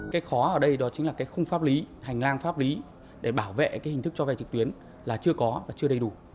cái khó ở đây đó chính là cái khung pháp lý hành lang pháp lý để bảo vệ cái hình thức cho vay trực tuyến là chưa có và chưa đầy đủ